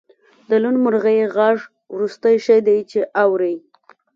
د لوون مرغۍ غږ وروستی شی دی چې اورئ